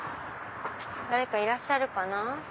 誰かいらっしゃるかな？